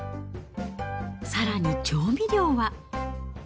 さらに調味料は。